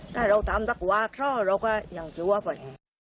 ถ้าเราทำสักวาข้อเราก็ยังกลัวไป